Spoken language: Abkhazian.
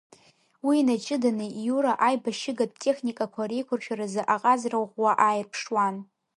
Уи инаҷыданы Иура аибашьыгатә техникақәа реиқәыршәаразы аҟазара ӷәӷәаа ааирԥшуан.